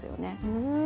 うん。